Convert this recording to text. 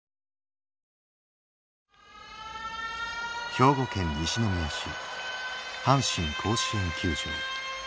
兵庫県西宮市阪神甲子園球場。